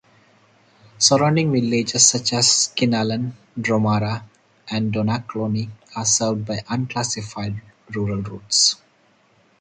Surrounding villages, such as Kinallen, Dromara and Donaghcloney, are served by unclassified rural routes.